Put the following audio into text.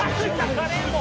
カレーも。